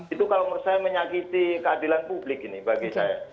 itu kalau menurut saya menyakiti keadilan publik ini bagi saya